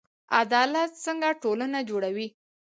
عدالت څنګه ټولنه جوړوي؟